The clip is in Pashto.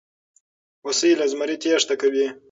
هوسۍ له زمري تېښته کوي.